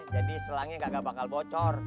jadi selangnya gagah bakal bocor